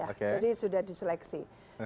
jadi sudah diseleksi